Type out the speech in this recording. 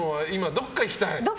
どっか行きたい。